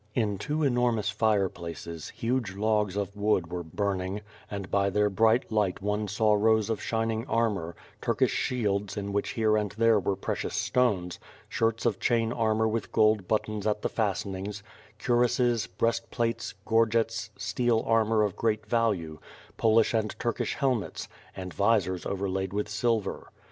In two enormous fireplaces, huge logs of wood were burn ing, and by their bright light one saw rows of shining armor, Turkish shields in which here and there were precious stones, shirts df chain armor with gold buttons at the fastenings, cuirasses, breast plates, gorgets, steel armor of great value, Polish and Turkish helmets, and visors overlaid with silver.